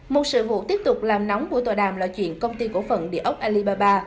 một sự vụ tiếp tục làm nóng của tòa đàm là chuyện công ty cổ phận địa ốc alibaba